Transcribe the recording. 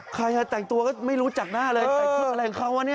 ใครแต่งตัวก็ไม่รู้จักหน้าเลยใส่เครื่องอะไรของเขาวะเนี่ย